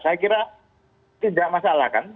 saya kira tidak masalah kan